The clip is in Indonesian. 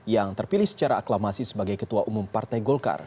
yang terpilih secara aklamasi sebagai ketua umum partai golkar